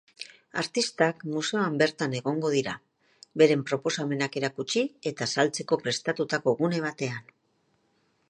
Artistak museoan bertan egongo dira, beren proposamenak erakutsi eta saltzeko prestatutako gune batean.